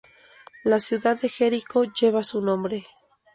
La ciudad de Jericó lleva su nombre.